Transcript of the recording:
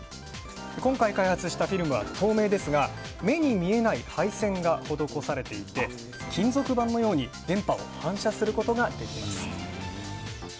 今回開発したフィルムは透明ですが目に見えない配線が施されていて、金属板のように電波を反射することができます。